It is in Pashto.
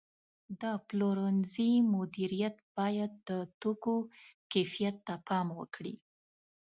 د پلورنځي مدیریت باید د توکو کیفیت ته پام وکړي.